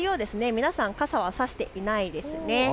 皆さん、傘は差していないですね。